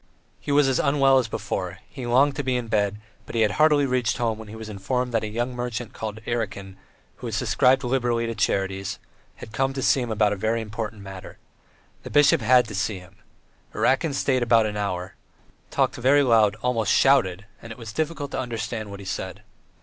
He was as unwell as before; he longed to be in bed, but he had hardly reached home when he was informed that a young merchant called Erakin, who subscribed liberally to charities, had come to see him about a very important matter. The bishop had to see him. Erakin stayed about an hour, talked very loud, almost shouted, and it was difficult to understand what he said.